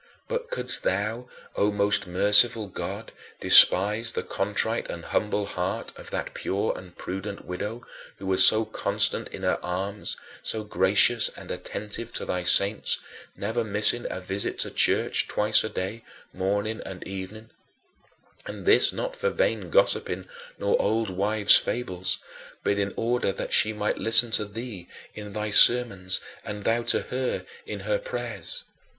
But couldst thou, O most merciful God, despise the "contrite and humble heart" of that pure and prudent widow, who was so constant in her alms, so gracious and attentive to thy saints, never missing a visit to church twice a day, morning and evening and this not for vain gossiping, nor old wives' fables, but in order that she might listen to thee in thy sermons, and thou to her in her prayers?